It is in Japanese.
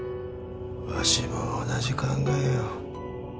わしも同じ考えよ。